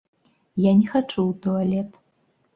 Я не хачу ў туалет.